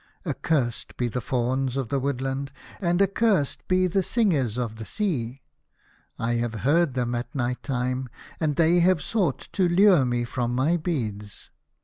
Accursed be the Fauns of the woodland, and accursed be the singers o of the sea ! 1 have heard them at night time, and they have sought to lure me from my beads.